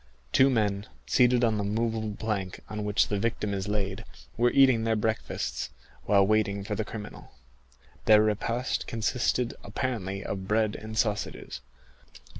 Two men, seated on the movable plank on which the victim is laid, were eating their breakfasts, while waiting for the criminal. Their repast consisted apparently of bread and sausages.